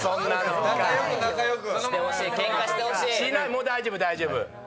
もう大丈夫大丈夫！